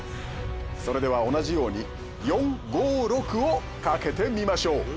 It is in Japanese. それでは同じように４５６をかけてみましょう！